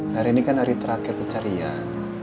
hari ini kan hari terakhir pencarian